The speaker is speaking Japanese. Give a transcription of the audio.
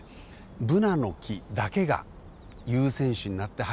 ブナの木だけが優占種になって生えてる。